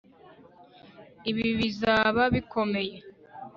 ibi bizaba bikomeye